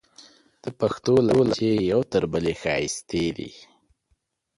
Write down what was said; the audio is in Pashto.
د پښتو لهجې یو تر بلې ښایستې دي.